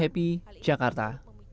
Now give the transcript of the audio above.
hai malu buka